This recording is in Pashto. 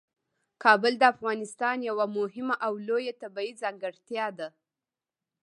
کابل د افغانستان یوه مهمه او لویه طبیعي ځانګړتیا ده.